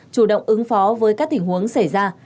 chủ động ứng phó với các tình huống xảy ra